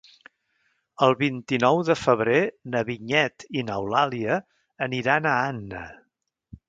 El vint-i-nou de febrer na Vinyet i n'Eulàlia aniran a Anna.